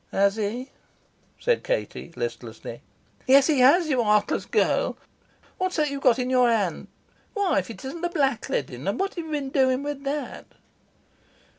"Has he?" said Katie listlessly. "Yes he has, you heartless girl. What's that you've got in your hand? Why, if it isn't the black leading! And what have you been doing with that?"